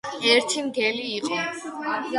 ერთი მგელი იყო